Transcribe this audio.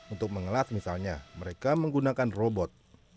untuk mengelas misalnya mereka menggunakan robot